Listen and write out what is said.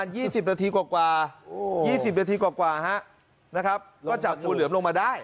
ใช้เวลาประมาณ๒๐นาทีกว่านะครับก็จับวันเหลือมาได้